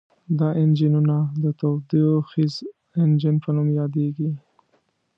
دا انجنونه د تودوخیز انجن په نوم یادیږي.